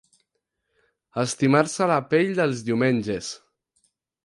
Estimar-se la pell dels diumenges.